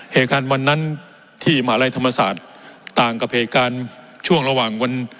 เหตุการณ์วันนั้นที่มหาลัยธรรมศาสตร์ต่างกับเหตุการณ์ช่วงระหว่างวัน